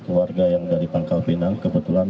keluarga yang dari pangkal pinang kebetulan